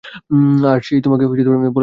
আর সে-ই তোমাকে বলয়টা দিয়েছে।